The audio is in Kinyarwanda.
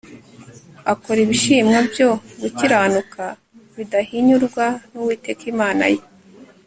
akora ibishimwa byo gukiranuka bidahinyurwa n'uwiteka imana ye